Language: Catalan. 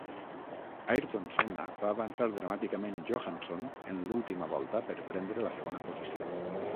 Ayrton Senna va avançar dramàticament Johansson en l'última volta per prendre la segona posició.